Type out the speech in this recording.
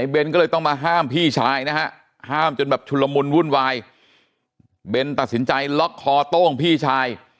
เบนก็เลยต้องมาห้ามพี่ชายนะฮะห้ามจนแบบชุลมุนวุ่นวายเบนตัดสินใจล็อกคอโต้งพี่ชาย